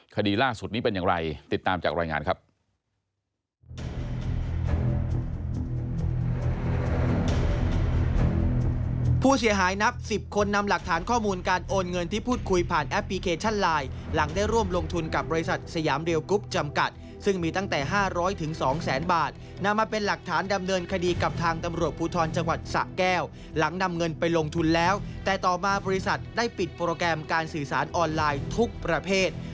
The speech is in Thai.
คดีล่าสุดนี้เป็นอย่างไรติดตามจากรายงานครับ